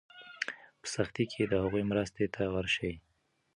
په سختۍ کې د هغوی مرستې ته ورشئ.